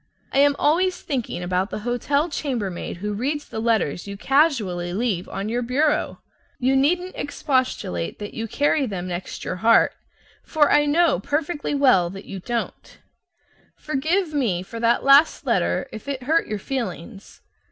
I am always thinking about the hotel chambermaid who reads the letters you casually leave on your bureau. You needn't expostulate that you carry them next your heart, for I know perfectly well that you don't. Forgive me for that last letter if it hurt your feelings.